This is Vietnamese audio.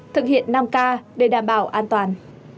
thực hiện năm k để đảm bảo an toàn